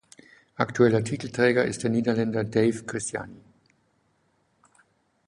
Aktueller Titelträger ist der Niederländer Dave Christiani.